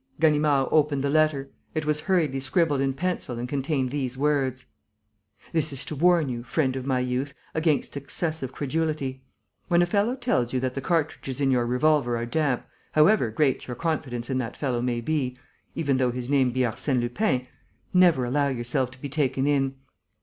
Ganimard opened the letter. It was hurriedly scribbled in pencil and contained these words: "This is to warn you, friend of my youth, against excessive credulity. When a fellow tells you that the cartridges in your revolver are damp, however great your confidence in that fellow may be, even though his name be Arsène Lupin, never allow yourself to be taken in.